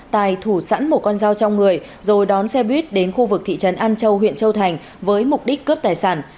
tài thủ sẵn một con dao trong người rồi đón xe buýt đến khu vực thị trấn an châu huyện châu thành với mục đích cướp tài sản